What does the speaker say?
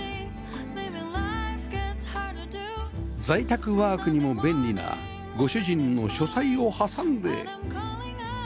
在宅ワークにも便利なご主人の書斎を挟んで